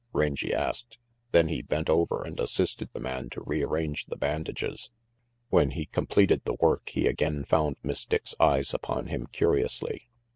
Rangy asked; then he bent over and assisted the man to rearrange the bandages. When he completed the work, he again found Miss Dick's eyes upon him curiously.